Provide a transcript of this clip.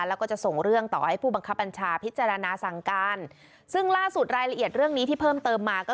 แล้วก็จะส่งเรื่องต่อให้ผู้บังคับบัญชาพิจารณาสั่งการซึ่งล่าสุดรายละเอียดเรื่องนี้ที่เพิ่มเติมมาก็